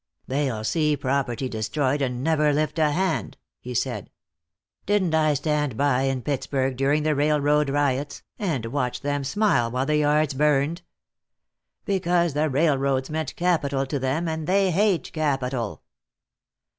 "They'll see property destroyed and never lift a hand," he said. "Didn't I stand by in Pittsburgh during the railroad riots, and watch them smile while the yards burned? Because the railroads meant capital to them, and they hate capital."